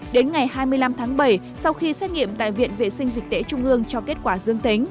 đến ngày hai mươi năm tháng bảy sau khi xét nghiệm tại viện vệ sinh dịch tễ trung ương cho kết quả dương tính